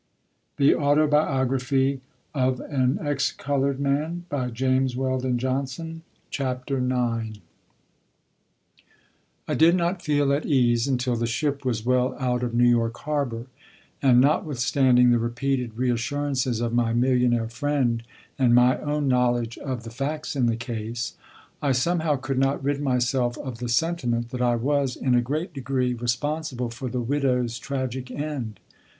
The jet of blood pulsing from it had placed an indelible red stain on my memory. IX I did not feel at ease until the ship was well out of New York harbor; and, notwithstanding the repeated reassurances of my millionaire friend and my own knowledge of the facts in the case, I somehow could not rid myself of the sentiment that I was, in a great degree, responsible for the "widow's" tragic end.